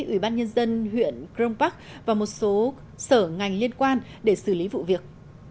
ubnd huyện kronpark và một số sở ngành liên quan để xử lý vụ việc